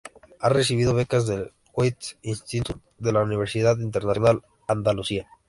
Ha recibido becas del Goethe-Institut y de la Universidad Internacional de Andalucía.